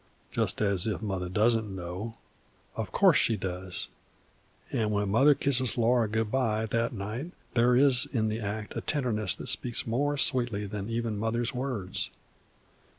Jest as if Mother doesn't know! Of course she does; an' when Mother kisses Laura good by that night there is in the act a tenderness that speaks more sweetly than even Mother's words.